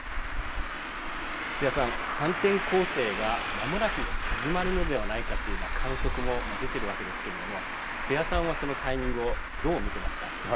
津屋さん、反転攻勢がまもなく始まるのではないかという観測も出てるわけですけれども津屋さんはそのタイミングをどう見ていますか？